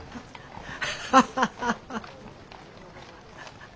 ハハハハ。